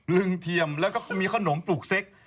ึงเทียมแล้วก็มีขนมปลูกเซ็ก